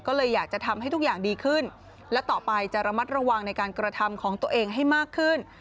ก็เลยอยากจะทำให้ทุกอย่างดีขึ้นและต่อไปจะระมัดระวังในการกระทำของตัวเองให้มากขึ้น